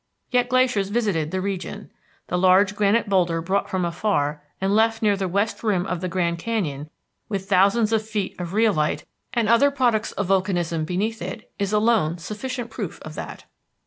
Yet glaciers visited the region. The large granite boulder brought from afar and left near the west rim of the Grand Canyon with thousands of feet of rhyolite and other products of volcanism beneath it is alone sufficient proof of that.